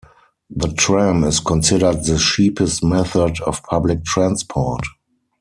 The tram is considered the cheapest method of public transport.